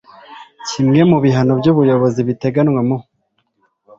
kimwe mu bihano by ubuyobozi biteganywa mu